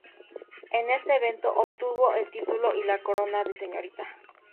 En este evento obtuvo el Título y la Corona de Srta.